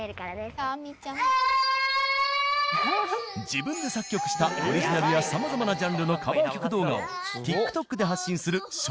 自分で作曲したオリジナルやさまざまなジャンルのカバー曲動画をＴｉｋＴｏｋで発信する小学２年生。